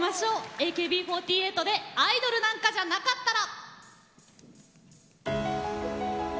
ＡＫＢ４８で「アイドルなんかじゃなかったら」。